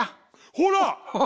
ほら！